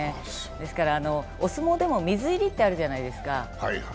ですから、お相撲でも水入りってあるじゃないですか。